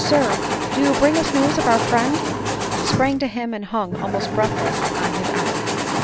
sir, do you bring us news of our friend ?" sprang to him, and hung almost breathless 6n his arm.